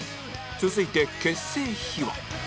続いて結成秘話